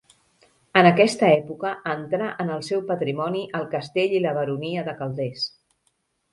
En aquesta època entrà en el seu patrimoni el castell i la baronia de Calders.